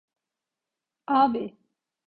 Abi!